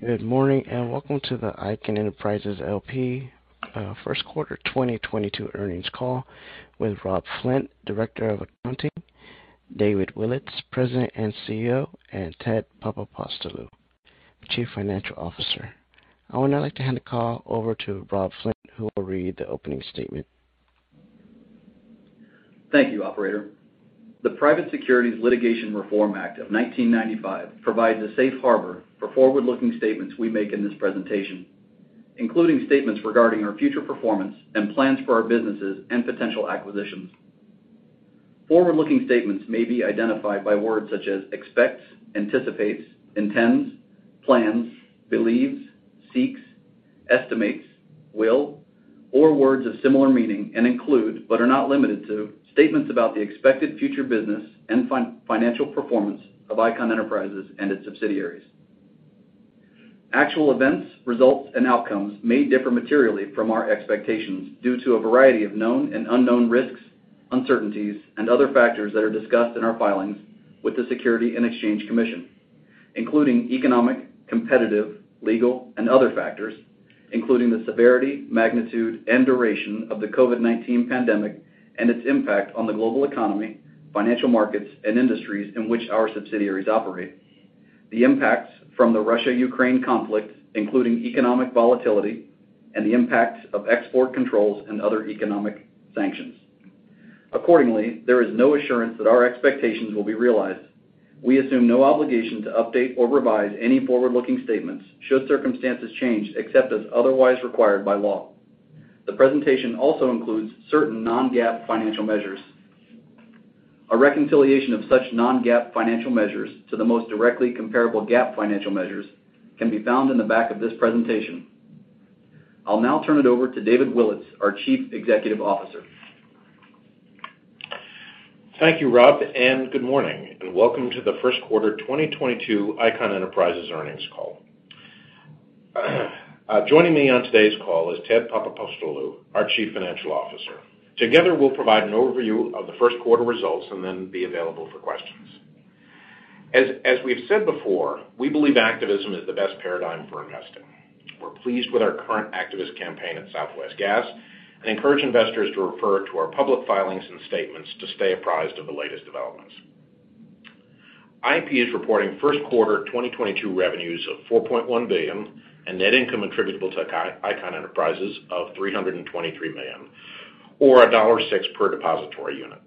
Good morning, and welcome to the Icahn Enterprises L.P. first quarter 2022 earnings call with Rob Flint, Director of Accounting, David Willetts, President and CEO, and Ted Papapostolou, Chief Financial Officer. I would now like to hand the call over to Rob Flint, who will read the opening statement. Thank you, operator. The Private Securities Litigation Reform Act of 1995 provides a safe harbor for forward-looking statements we make in this presentation, including statements regarding our future performance and plans for our businesses and potential acquisitions. Forward-looking statements may be identified by words such as expects, anticipates, intends, plans, believes, seeks, estimates, will, or words of similar meaning, and include, but are not limited to, statements about the expected future business and financial performance of Icahn Enterprises and its subsidiaries. Actual events, results, and outcomes may differ materially from our expectations due to a variety of known and unknown risks, uncertainties, and other factors that are discussed in our filings with the Securities and Exchange Commission, including economic, competitive, legal and other factors, including the severity, magnitude and duration of the COVID-19 pandemic and its impact on the global economy, financial markets and industries in which our subsidiaries operate, the impacts from the Russia-Ukraine conflict, including economic volatility and the impact of export controls and other economic sanctions. Accordingly, there is no assurance that our expectations will be realized. We assume no obligation to update or revise any forward-looking statements should circumstances change except as otherwise required by law. The presentation also includes certain non-GAAP financial measures. A reconciliation of such non-GAAP financial measures to the most directly comparable GAAP financial measures can be found in the back of this presentation. I'll now turn it over to David Willetts, our Chief Executive Officer. Thank you, Rob, and good morning, and welcome to the first quarter 2022 Icahn Enterprises earnings call. Joining me on today's call is Ted Papapostolou, our Chief Financial Officer. Together, we'll provide an overview of the first quarter results and then be available for questions. We've said before, we believe activism is the best paradigm for investing. We're pleased with our current activist campaign at Southwest Gas, and encourage investors to refer to our public filings and statements to stay apprised of the latest developments. IEP is reporting first quarter 2022 revenues of $4.1 billion and net income attributable to Icahn Enterprises of $323 million or $1.06 per depository unit.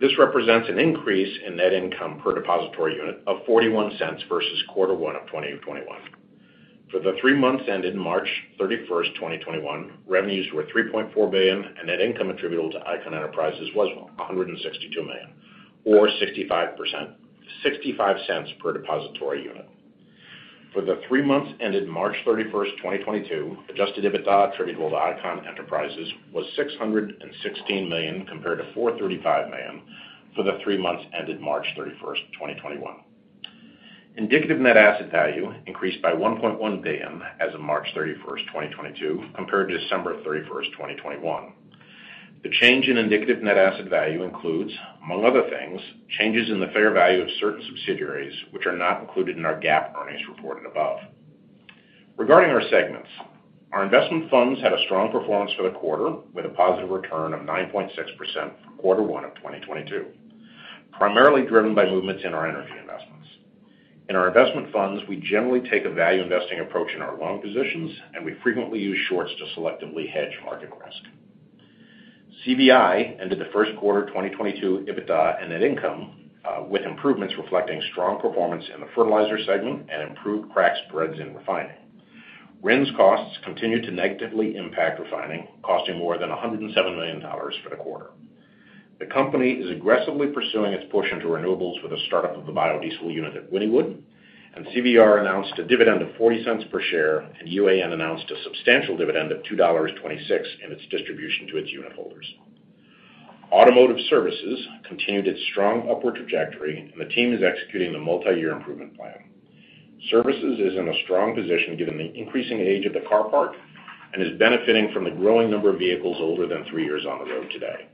This represents an increase in net income per depository unit of $0.41 versus quarter one of 2021. For the three months ending March 31st, 2021, revenues were $3.4 billion and net income attributable to Icahn Enterprises was $162 million or $0.65 per depository unit. For the three months ending March 31st, 2022, Adjusted EBITDA attributable to Icahn Enterprises was $616 million compared to $435 million for the three months ended March 31st, 2021. Indicative net asset value increased by $1.1 billion as of March 31st, 2022 compared to December 31st, 2021. The change in indicative net asset value includes, among other things, changes in the fair value of certain subsidiaries which are not included in our GAAP earnings reported above. Regarding our segments, our investment funds had a strong performance for the quarter, with a positive return of 9.6% for quarter 1 of 2022, primarily driven by movements in our energy investments. In our investment funds, we generally take a value investing approach in our loan positions, and we frequently use shorts to selectively hedge market risk. CVI ended the first quarter 2022 EBITDA and net income with improvements reflecting strong performance in the fertilizer segment and improved crack spreads in refining. RINs costs continued to negatively impact refining, costing more than $107 million for the quarter. The company is aggressively pursuing its push into renewables with the startup of the biodiesel unit at Wynnewood, and CVR announced a dividend of $0.40 per share, and UAN announced a substantial dividend of $2.26 in its distribution to its unitholders. Automotive Services continued its strong upward trajectory, and the team is executing the multi-year improvement plan. Services is in a strong position given the increasing age of the car park and is benefiting from the growing number of vehicles older than three years on the road today.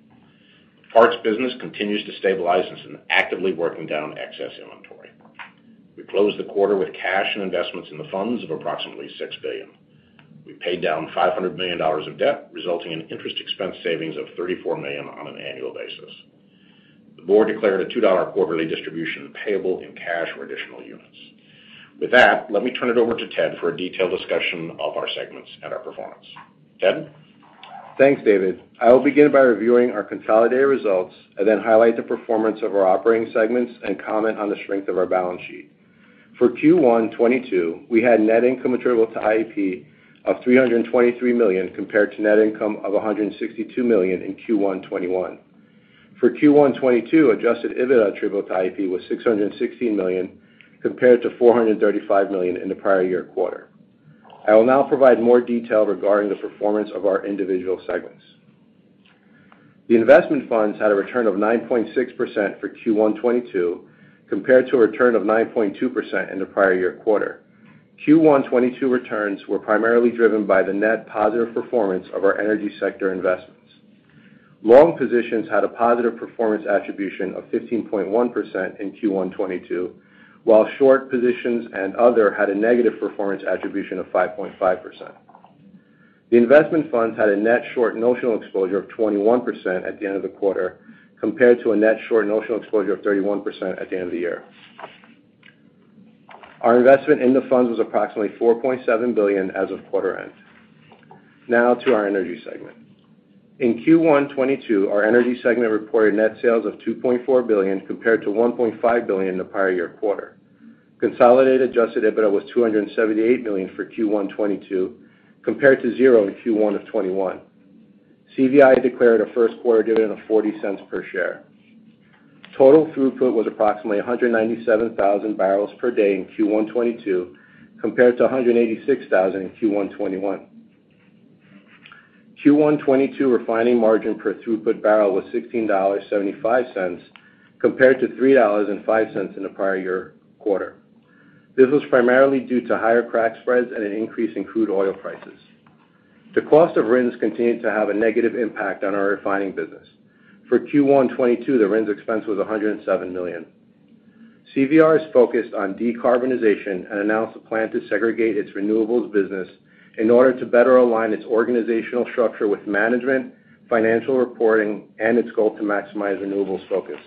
Parts business continues to stabilize as it's actively working down excess inventory. We closed the quarter with cash and investments in the funds of approximately $6 billion. We paid down $500 million of debt, resulting in interest expense savings of $34 million on an annual basis. The board declared a $2 quarterly distribution payable in cash or additional units. With that, let me turn it over to Ted for a detailed discussion of our segments and our performance. Ted? Thanks, David. I will begin by reviewing our consolidated results and then highlight the performance of our operating segments and comment on the strength of our balance sheet. For Q1 2022, we had net income attributable to IEP of $323 million compared to net income of $162 million in Q1 2021. For Q1 2022, adjusted EBITDA attributable to IEP was $616 million compared to $435 million in the prior year quarter. I will now provide more detail regarding the performance of our individual segments. The investment funds had a return of 9.6% for Q1 2022 compared to a return of 9.2% in the prior year quarter. Q1 2022 returns were primarily driven by the net positive performance of our energy sector investments. Long positions had a positive performance attribution of 15.1% in Q1 2022, while short positions and other had a negative performance attribution of 5.5%. The investment funds had a net short notional exposure of 21% at the end of the quarter, compared to a net short notional exposure of 31% at the end of the year. Our investment in the funds was approximately $4.7 billion as of quarter end. Now to our energy segment. In Q1 2022, our energy segment reported net sales of $2.4 billion compared to $1.5 billion in the prior year quarter. Consolidated Adjusted EBITDA was $278 million for Q1 2022, compared to zero in Q1 2021. CVI declared a first quarter dividend of $0.40 per share. Total throughput was approximately 197,000 barrels per day in Q1 2022, compared to 186,000 in Q1 2021. Q1 2022 refining margin per throughput barrel was $16.75, compared to $3.05 in the prior year quarter. This was primarily due to higher crack spreads and an increase in crude oil prices. The cost of RINs continued to have a negative impact on our refining business. For Q1 2022, the RINs expense was $107 million. CVR is focused on decarbonization and announced a plan to segregate its renewables business in order to better align its organizational structure with management, financial reporting, and its goal to maximize renewables focus.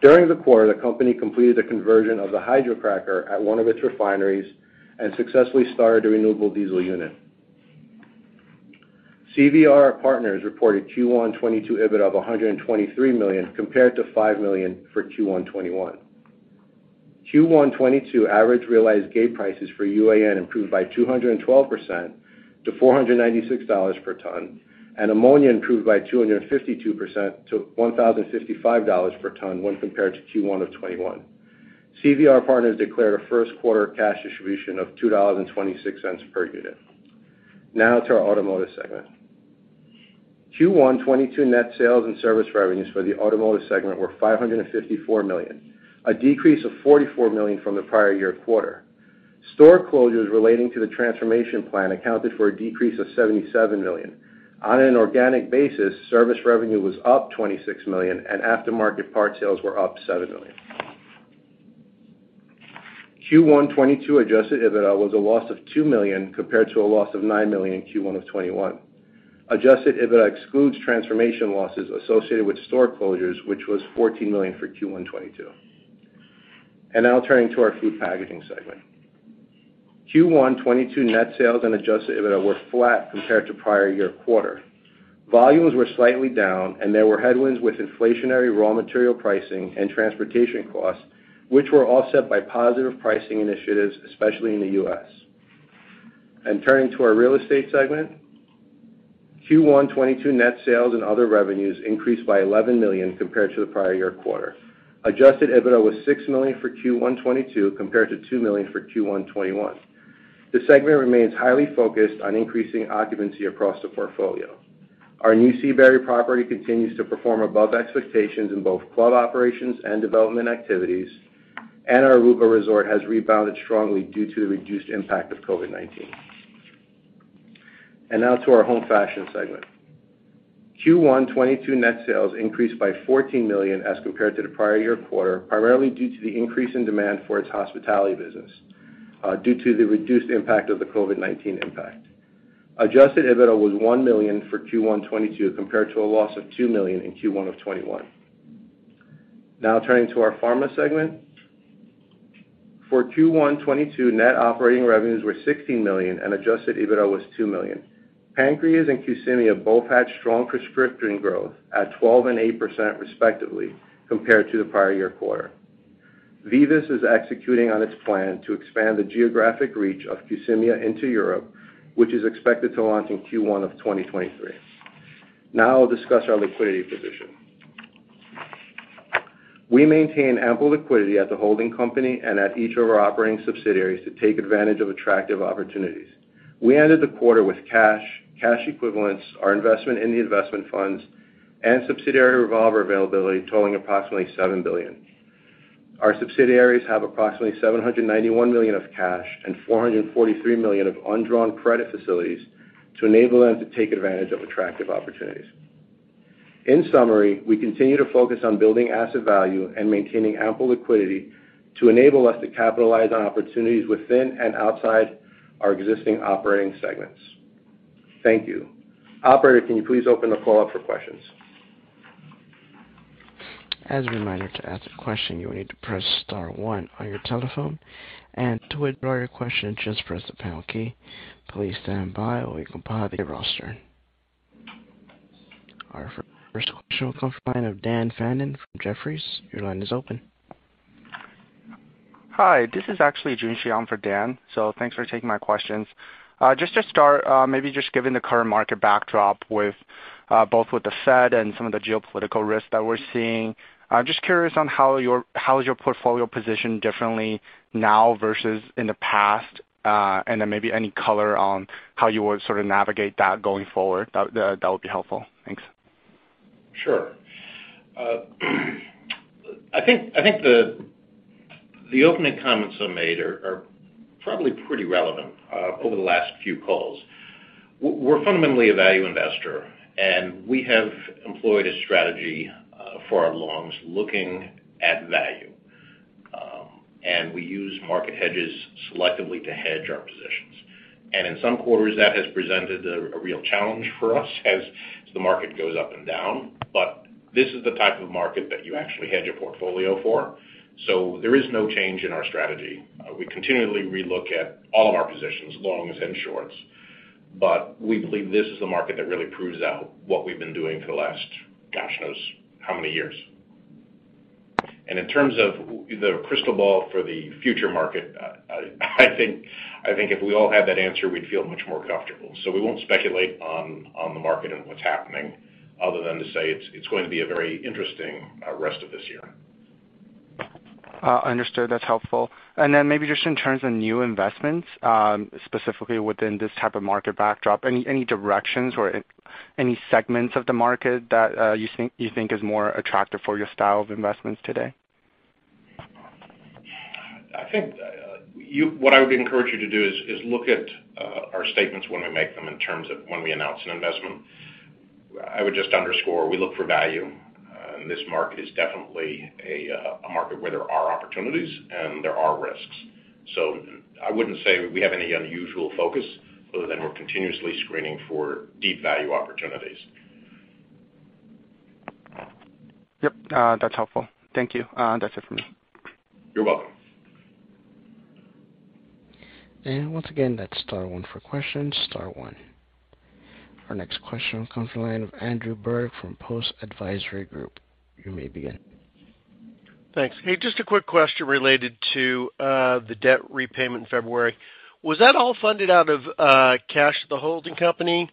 During the quarter, the company completed the conversion of the hydrocracker at one of its refineries and successfully started a renewable diesel unit. CVR Partners reported Q1 2022 EBITDA of $123 million compared to $5 million for Q1 2021. Q1 2022 average realized gate prices for UAN improved by 212% to $496 per ton, and ammonia improved by 252% to $1,055 per ton when compared to Q1 of 2021. CVR Partners declared a first quarter cash distribution of $2.26 per unit. Now to our automotive segment. Q1 2022 net sales and service revenues for the automotive segment were $554 million, a decrease of $44 million from the prior year quarter. Store closures relating to the transformation plan accounted for a decrease of $77 million. On an organic basis, service revenue was up $26 million, and aftermarket part sales were up $7 million. Q1 2022 Adjusted EBITDA was a loss of $2 million compared to a loss of $9 million in Q1 of 2021. Adjusted EBITDA excludes transformation losses associated with store closures, which was $14 million for Q1 2022. Now turning to our food packaging segment. Q1 2022 net sales and Adjusted EBITDA were flat compared to prior year quarter. Volumes were slightly down, and there were headwinds with inflationary raw material pricing and transportation costs, which were offset by positive pricing initiatives, especially in the U.S. Turning to our real estate segment. Q1 2022 net sales and other revenues increased by $11 million compared to the prior year quarter. Adjusted EBITDA was $6 million for Q1 2022 compared to $2 million for Q1 2021. The segment remains highly focused on increasing occupancy across the portfolio. Our new Seabury property continues to perform above expectations in both club operations and development activities, and our Aruba Resort has rebounded strongly due to the reduced impact of COVID-19. Now to our home fashion segment. Q1 2022 net sales increased by $14 million as compared to the prior year quarter, primarily due to the increase in demand for its hospitality business, due to the reduced impact of the COVID-19 impact. Adjusted EBITDA was $1 million for Q1 2022 compared to a loss of $2 million in Q1 of 2021. Now turning to our pharma segment. For Q1 2022, net operating revenues were $16 million and Adjusted EBITDA was $2 million. PANCREAZE and Qsymia both had strong prescription growth at 12% and 8% respectively compared to the prior year quarter. VIVUS is executing on its plan to expand the geographic reach of Qsymia into Europe, which is expected to launch in Q1 of 2023. Now I'll discuss our liquidity position. We maintain ample liquidity at the holding company and at each of our operating subsidiaries to take advantage of attractive opportunities. We ended the quarter with cash equivalents, our investment in the investment funds, and subsidiary revolver availability totaling approximately $7 billion. Our subsidiaries have approximately $791 million of cash and $443 million of undrawn credit facilities to enable them to take advantage of attractive opportunities. In summary, we continue to focus on building asset value and maintaining ample liquidity to enable us to capitalize on opportunities within and outside our existing operating segments. Thank you. Operator, can you please open the call up for questions? As a reminder, to ask a question, you will need to press star one on your telephone, and to withdraw your question, just press the pound key. Please stand by while we compile the roster. Our first line of Dan Fannon from Jefferies. Your line is open. Hi, this is actually Jun Xiang for Dan, so thanks for taking my questions. Just to start, maybe just given the current market backdrop with both the Fed and some of the geopolitical risks that we're seeing, I'm just curious on how is your portfolio positioned differently now versus in the past? Maybe any color on how you would sort of navigate that going forward, that would be helpful. Thanks. I think the opening comments I made are probably pretty relevant over the last few calls. We're fundamentally a value investor, and we have employed a strategy for our longs looking at value. We use market hedges selectively to hedge our positions. In some quarters, that has presented a real challenge for us as the market goes up and down, but this is the type of market that you actually hedge your portfolio for. There is no change in our strategy. We continually relook at all of our positions, longs and shorts, but we believe this is the market that really proves out what we've been doing for the last, gosh knows how many years. In terms of the crystal ball for the future market, I think if we all had that answer, we'd feel much more comfortable. We won't speculate on the market and what's happening other than to say it's going to be a very interesting rest of this year. Understood. That's helpful. Maybe just in terms of new investments, specifically within this type of market backdrop, any directions or any segments of the market that you think is more attractive for your style of investments today? I think what I would encourage you to do is look at our statements when we make them in terms of when we announce an investment. I would just underscore we look for value. This market is definitely a market where there are opportunities and there are risks. I wouldn't say we have any unusual focus other than we're continuously screening for deep value opportunities. Yep. That's helpful. Thank you. That's it for me. You're welcome. Once again, that's star one for questions, star one. Our next question comes from the line of Andrew Berg from Post Advisory Group. You may begin. Thanks. Hey, just a quick question related to the debt repayment in February. Was that all funded out of cash at the holding company,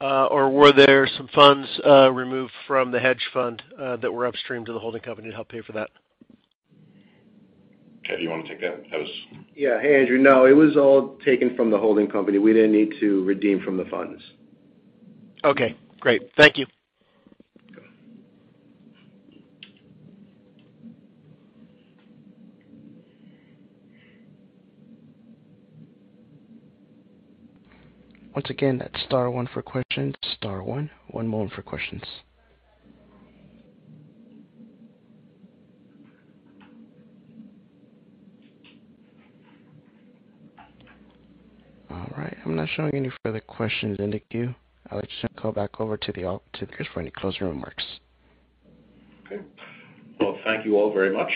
or were there some funds removed from the hedge fund that were upstream to the holding company to help pay for that? Ted, do you wanna take that? That was. Yeah. Hey, Andrew. No, it was all taken from the holding company. We didn't need to redeem from the funds. Okay, great. Thank you. Okay. Once again, that's star one for questions, star one. One moment for questions. All right. I'm not showing any further questions in the queue. I'll just call back over to the speakers for any closing remarks. Okay. Well, thank you all very much.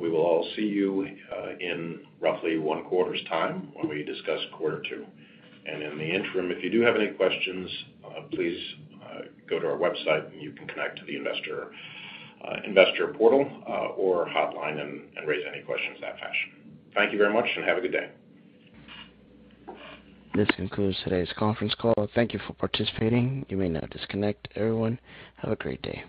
We will all see you in roughly one quarter's time when we discuss quarter two. In the interim, if you do have any questions, please go to our website and you can connect to the investor portal or hotline and raise any questions in that fashion. Thank you very much, and have a good day. This concludes today's conference call. Thank you for participating. You may now disconnect. Everyone, have a great day.